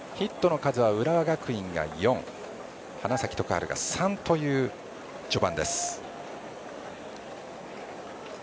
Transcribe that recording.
ヒットの数は浦和学院が４花咲徳栄が３という序盤。